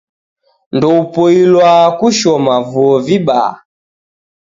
Ndoupoilwa kushoma vuo vibaha